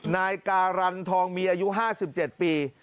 นายการันทองมีอายุ๕๗ปี